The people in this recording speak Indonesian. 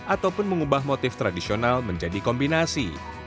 ataupun mengubah motif tradisional menjadi kombinasi